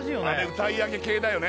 歌い上げ系だよね